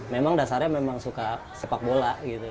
memang dasarnya memang suka sepak bola gitu